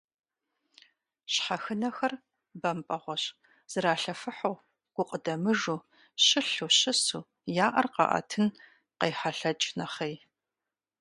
Щхьэхынэхэр бампӀэгъуэщ: зралъэфыхьу, гукъыдэмыжу, щылъу, щысу, я Ӏэр къаӀэтын къайхьэлъэкӀ нэхъей.